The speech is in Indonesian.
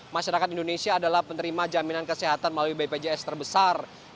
masyarakat indonesia adalah penerima jaminan kesehatan melalui bpjs terbesar